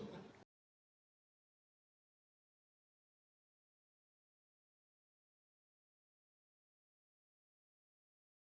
jika boleh silakan